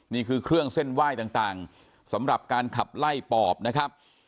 นี่คือเครื่องเส้นไหว้ต่างสำหรับการขับไล่ปอบนะครับ